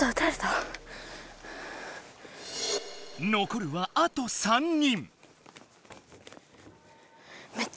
残るはあと３人。